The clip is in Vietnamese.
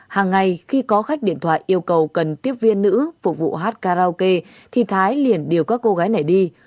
hàng ngày khi có khách điện thoại yêu cầu cần tiếp viên nữ phục vụ hát karaoke thì thái liền điều các cô gái này đi